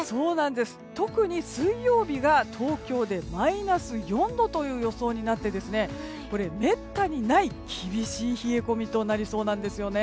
特に水曜日が東京でマイナス４度という予想になってめったにない厳しい冷え込みとなりそうなんですよね。